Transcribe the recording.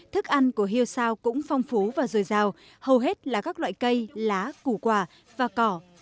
thức ăn của hiêu sao cũng phong phú và dồi dào hầu hết là các loại cây lá củ quả và cỏ